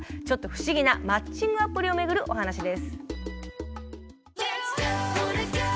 ちょっと不思議なマッチングアプリを巡るお話です。